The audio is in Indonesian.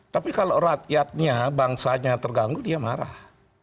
tapi kalau rakyatnya bangsanya terganggu dia marah